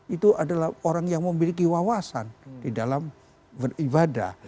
itu adalah orang yang memiliki wawasan di dalam beribadah